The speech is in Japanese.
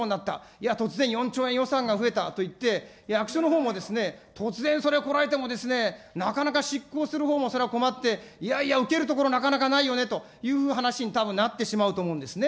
いや、突然４兆円予算が増えたといって役所のほうもですね、突然それは来られても、なかなか執行するほうもそれは困って、いやいや受けるところなかなかないよねというふうな話になってしまうと思うんですね。